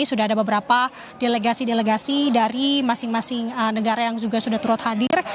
sudah ada beberapa delegasi delegasi dari masing masing negara yang juga sudah turut hadir